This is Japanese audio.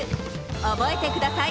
覚えてください！